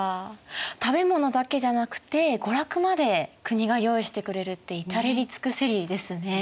食べ物だけじゃなくて娯楽まで国が用意してくれるって至れり尽くせりですね。